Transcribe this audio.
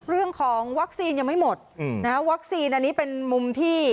เรื่องของวัคซีนยังไม่หมดนะฮะวัคซีนอันนี้เป็นมุมที่